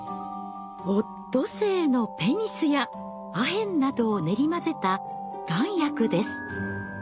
オットセイのペニスやアヘンなどを練り混ぜた丸薬です。